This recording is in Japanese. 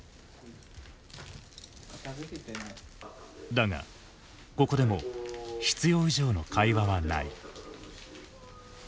だがここでも必要以上の会話はない。